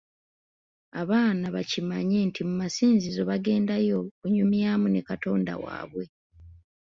Abaana bakimanye nti mu masinzizo bagendayo kunyumyamu na Katonda waabwe.